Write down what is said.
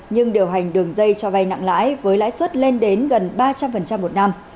nhưng điều hành đường dây cho vay nặng lãi với lãi suất lên đến gần ba trăm linh một năm